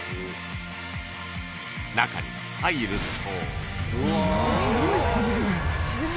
［中に入ると］